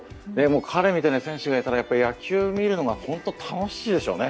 彼みたいな選手がいたら野球を見るのが本当に楽しいですよね。